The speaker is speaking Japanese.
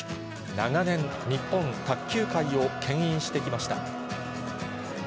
長年、日本卓球界をけん引してきました。